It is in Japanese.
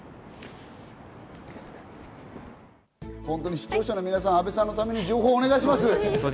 本当に視聴者の皆さん、阿部さんのために情報をお願いします。